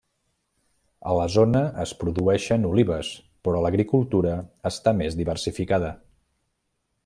A la zona es produeixen olives però l'agricultura està més diversificada.